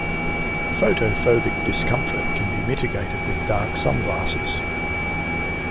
Photophobic discomfort can be mitigated with dark sunglasses.